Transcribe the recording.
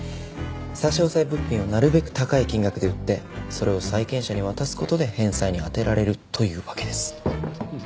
差し押さえ物品をなるべく高い金額で売ってそれを債権者に渡す事で返済に充てられるというわけです。